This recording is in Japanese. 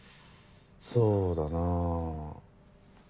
そうだな。